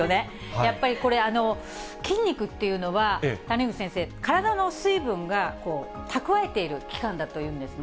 やっぱりこれ、筋肉っていうのは、谷口先生、体の水分が蓄えている器官だというんですね。